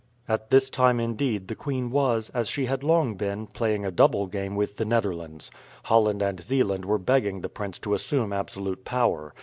At this time, indeed, the queen was, as she had long been, playing a double game with the Netherlands. Holland and Zeeland were begging the prince to assume absolute power.